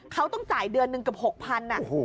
เขาต้องจ่ายเดือนหนึ่งเกือบ๖๐๐บาท